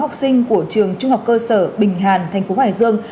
học sinh của trường trung học cơ sở bình hàn thành phố hải dương